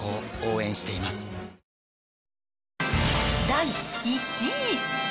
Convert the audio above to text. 第１位。